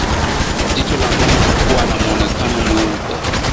Jicho la ngombe kuwa na mwonekano mweupe